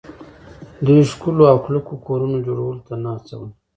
دوی ښکلو او کلکو کورونو جوړولو ته نه هڅول